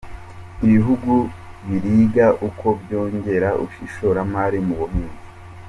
Ibihugu biriga uko byongera ishoramari mu buhinzi.